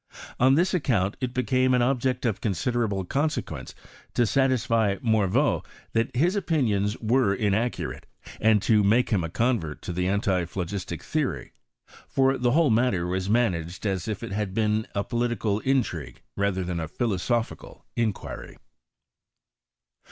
131 on this acconnt, it became an object of considerable consequence to satisfy Morveau that his opinions were inaccurate, and to make him a convert to the antiphlogistic theory ; for the whole matter was managed as if it had been a political intrigue, rather than a philosophical inquiry.